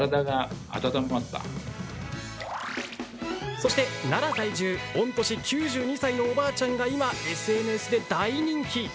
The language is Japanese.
そして、奈良在住御年９２歳のおばあちゃんが今、ＳＮＳで大人気。